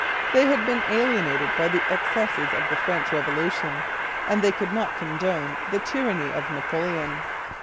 They had been alienated by the excesses of the French Revolution; and they could not condone the tyranny of Napoleon.